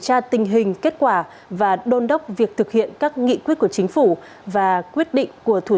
tra tình hình kết quả và đôn đốc việc thực hiện các nghị quyết của chính phủ và quyết định của thủ